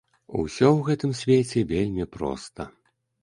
Усё ў гэтым свеце вельмі проста.